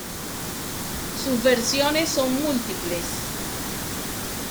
Sus versiones son múltiples.